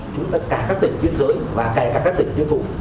chúng ta cả các tỉnh biên giới và cả các tỉnh tiêu thụ